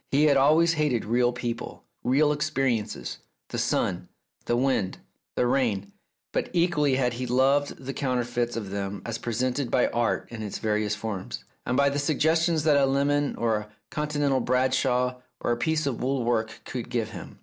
He had always hated real people, real experiences, the sun, the wind, the rain, but equally had he loved the counterfeits of them as presented by Art in its various forms, and by the suggestions that a lemon or a continental Bradshaw or a piece of wool work could give him.